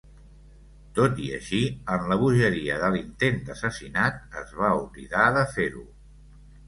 Tot i així, en la bogeria de l'intent d'assassinat, es va oblidar de fer-ho.